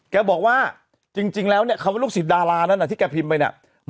แกบอกว่าจริงแล้วเนี่ยคำว่าลูกศิษย์ดารานั้นที่แกพิมพ์ไปเนี่ย